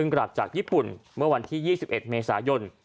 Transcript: กลับจากญี่ปุ่นเมื่อวันที่๒๑เมษายน